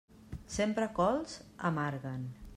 Sempre cols, amarguen.